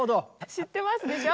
知ってますでしょ？